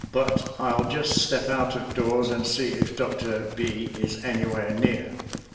But I'll just step out of doors and see if Dr. B is anywhere near."